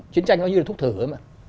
chiến tranh nó như thuốc thử ấy mà